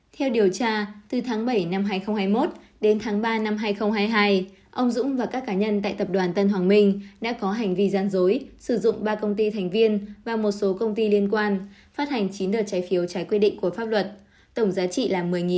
theo điều tra từ tháng bảy năm hai nghìn hai mươi một đến tháng ba năm hai nghìn hai mươi hai ông dũng và các cá nhân tại tập đoàn tân hoàng minh đã có hành vi gian dối sử dụng ba công ty thành viên và một số công ty liên quan phát hành chín đợt trái phiếu trái quy định của pháp luật tổng giá trị là một mươi tỷ đồng